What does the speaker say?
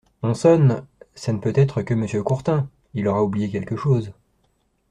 On sonne ! ça ne peut être que Monsieur Courtin !… il aura oublié quelque chose.